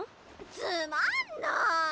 つまんない！